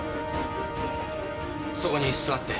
そこに座って。